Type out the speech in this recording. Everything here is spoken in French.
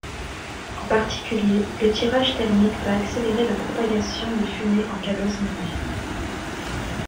En particulier, le tirage thermique peut accélérer la propagation des fumées en cas d'incendie.